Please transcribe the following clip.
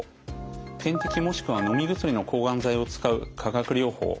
点滴もしくは飲み薬の抗がん剤を使う化学療法。